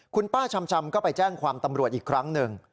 คุณป้าชำก็ไปแจ้งความตำรวจอีกครั้งหนึ่ง